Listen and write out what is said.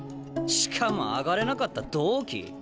しかも上がれなかった同期ぃ？